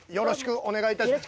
お願いします。